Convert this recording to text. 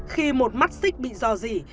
khi một mắt xích bị dò dỉ